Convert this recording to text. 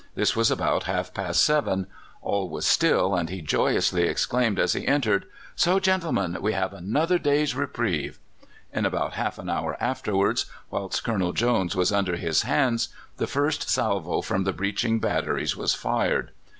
This was about half past seven. All was still, and he joyously exclaimed, as he entered: "So, gentlemen, we have another day's reprieve!" In about half an hour afterwards, whilst Colonel Jones was under his hands, the first salvo from the breaching batteries was fired.